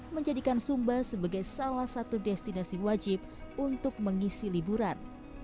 menjadikan sumba sebagai salah satu destinasi wajib untuk mengisi liburan